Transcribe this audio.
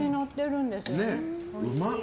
うまっ。